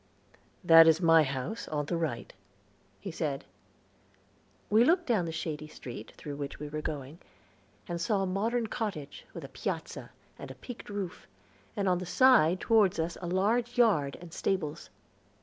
"That is my house, on the right," he said. We looked down the shady street through which we were going, and saw a modern cottage, with a piazza, and peaked roof, and on the side toward us a large yard, and stables.